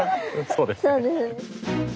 そうですね。